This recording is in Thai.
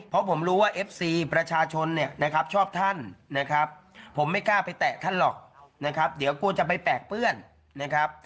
เพราะผมรู้ว่าเอฟซีประชาชนเนี่ยนะครับชอบท่านนะครับผมไม่กล้าไปแตะท่านหรอกนะครับเดี๋ยวกลัวจะไปแปลกเปื้อนนะครับ